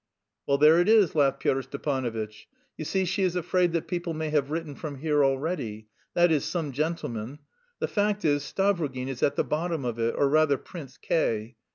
"Well, there it is," laughed Pyotr Stepanovitch. "You see, she is afraid that people may have written from here already... that is, some gentlemen.... The fact is, Stavrogin is at the bottom of it, or rather Prince K....